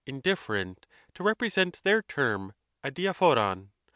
indifferent ' to represent their term adiaphonm.